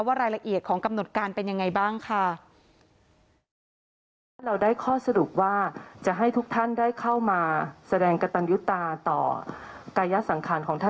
รายละเอียดของกำหนดการเป็นยังไงบ้างค่ะ